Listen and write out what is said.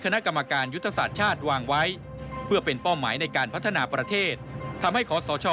คณะกรรมการยุทธศาสตร์ชาติวางไว้